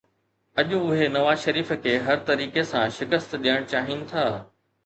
اڄ اهي نواز شريف کي هر طريقي سان شڪست ڏيڻ چاهين ٿا